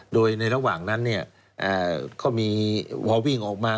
โดยในระหว่างนั้นก็มีพอวิ่งออกมา